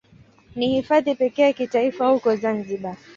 Ni Hifadhi pekee ya kitaifa huko Zanzibar.